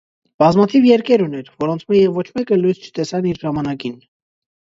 Բազմաթիւ երկեր ուներ, որոնցմէ եւ ոչ մէկը լոյս չտեսան իր ժամանակին։